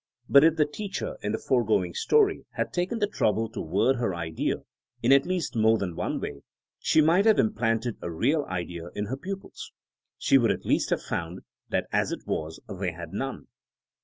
But if the teacher in the foregoing story had taken the trouble to word her idea in at least more than one way, she might have implanted a real idea in her pupils. She would at least have found that as it was they had none.